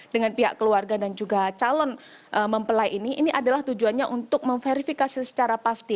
dengan pihak keluarga dan juga calon mempelai ini ini adalah tujuannya untuk memverifikasi secara pasti